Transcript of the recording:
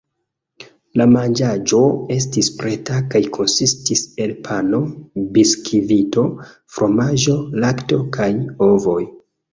La manĝaĵo estis preta kaj konsistis el pano, biskvito, fromaĝo, lakto kaj ovoj.